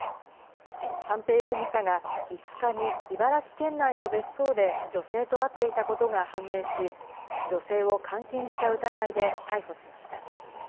三瓶容疑者が５日に、茨城県内の別荘で女性と会っていたことが判明し、女性を監禁した疑いで逮捕しました。